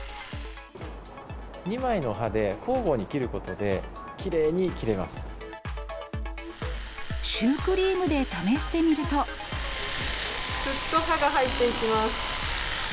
２枚の刃で交互に切ることで、シュークリームで試してみるすっと刃が入っていきます。